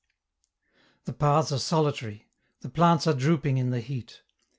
The paths are solitary, the plants are drooping in the heat.